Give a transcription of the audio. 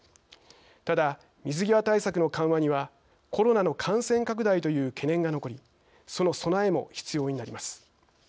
ただ、水際対策の緩和にはコロナの感染拡大という懸念が残りその備えも必要になります。